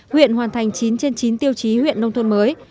huyện hoàn thành chín trên chín tiêu chí huyện nông thôn mới